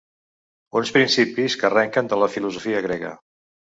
Uns principis que arrenquen de la filosofia grega.